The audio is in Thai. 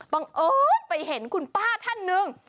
บังเอิญไปเห็นคุณป้าท่านหนึ่ง